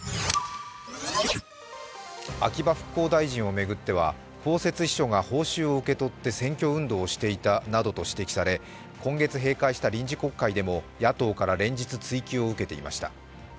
秋葉復興大臣を巡っては公設秘書が報酬を受け取って選挙運動をしていたなどと指摘され、今月閉会した臨時国会でも野党から連日、追及を受けていました。